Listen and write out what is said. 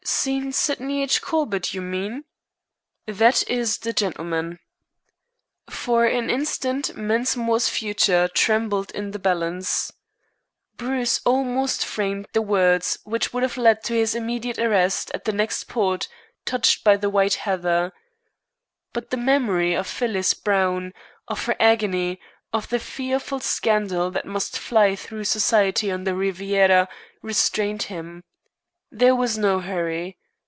"Seen Sydney H. Corbett, you mean?" "That is the gentleman." For an instant Mensmore's future trembled in the balance. Bruce almost framed the words which would have led to his immediate arrest at the next port touched by the White Heather. But the memory of Phyllis Browne, of her agony, of the fearful scandal that must fly through Society on the Riviera, restrained him. There was no hurry.